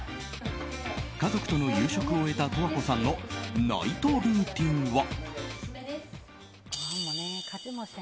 家族との夕食を終えた十和子さんのナイトルーティンは。